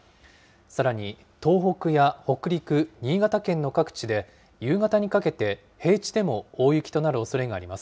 さらに東北や北陸、新潟県の各地で、夕方にかけて、平地でも大雪となるおそれがあります。